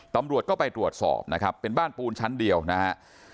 ตำรวจก็ไปตรวจสอบนะครับเป็นบ้านปูนชั้นเดียวนะฮะ